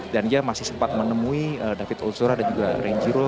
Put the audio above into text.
dan dia masih sempat menemui david ozora dan juga renjiro